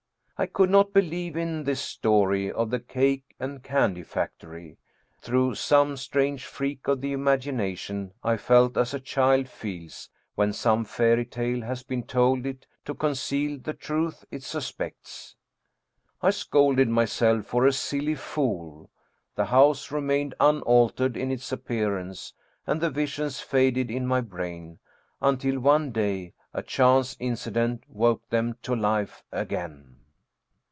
I could not believe in this story of the cake and candy factory. Through some strange freak of the imagination I felt as a child feels when some fairy tale has been told it to con ceal the truth it suspects. I scolded myself for a silly fool ; the house remained unaltered in its appearance, and the visions faded in my brain, until one day a chance incident woke them to life again.